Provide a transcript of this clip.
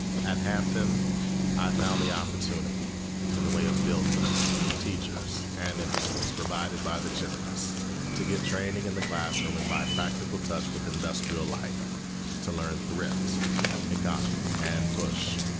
At Hampton I found the opportunity in the way of buildings, teachers, and industries provided by the generous to get training in the classroom and by practical touch with industrial life, to learn thrift, economy, and push.